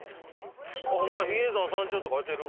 あっホンマや比叡山山頂って書いてる。